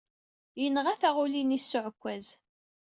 Yenɣa taɣulit-nni s uɛekkaz.